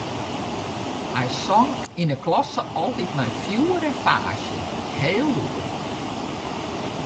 Hy song yn 'e klasse altyd mei fjoer en faasje, heel lûd.